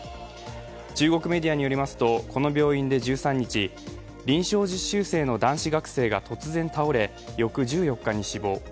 中国メディアによりますとこの病院で１３日、臨床実習生の男子学生が突然倒れ、翌１４日に死亡。